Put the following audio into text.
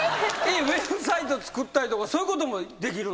ウェブサイト作ったりとかそういうこともできるの？